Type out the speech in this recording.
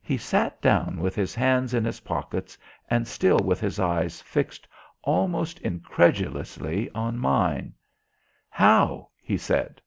He sat down with his hands in his pockets and still with his eyes fixed almost incredulously on mine. "How?" he said.